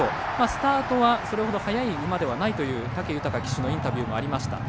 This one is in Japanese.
スタートはそれほど速い馬ではないという武豊騎手のインタビューもありました。